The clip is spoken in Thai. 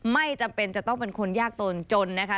ไม่จำเป็นจะต้องเป็นคนยากจนนะคะ